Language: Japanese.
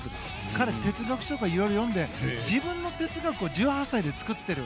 彼、哲学書をいろいろ読んで自分の哲学を１８歳で作っている。